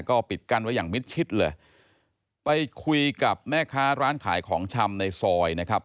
ก็ปิดกั้นไว้อย่างมิดชิดเลยไปคุยกับแม่ค้าร้านขายของชำในซอยนะครับ